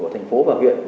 thành phố và huyện